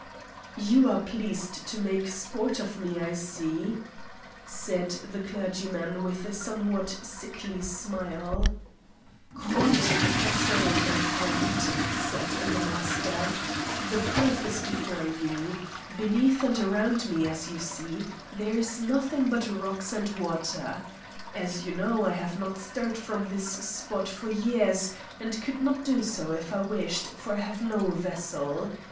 "You are pleased to make sport of me, I see," said the clergyman with a somewhat sickly smile. "Quite the contrary, my friend," said the Master. "The proof is before you. Beneath and around me, as you see, there is nothing but rocks and water. As you know, I have not stirred from this spot for years, and could not do so if I wished, for I have no vessel.